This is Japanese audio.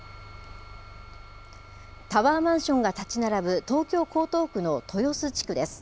タワーマンションが建ち並ぶ、東京・江東区の豊洲地区です。